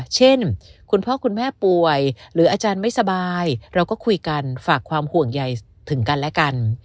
เช่นคุณพ่อคุณแม่ป่วยหรืออาจารย์ไม่สบายเราก็คุยกันฝากความห่วงใหญ่ถึงกันและกัน